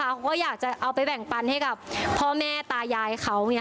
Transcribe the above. เขาก็อยากจะเอาไปแบ่งปันให้กับพ่อแม่ตายายเขา